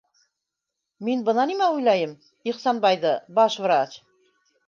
- Мин бына нимә уйлайым: Ихсанбайҙы... баш врач...